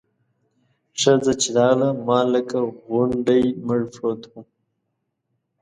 ښځه چې راغله مار لکه غونډی مړ پروت و.